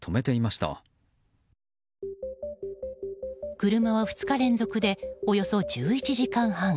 車は２日連続でおよそ１１時間半